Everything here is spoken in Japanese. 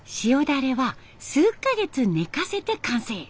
だれは数か月寝かせて完成。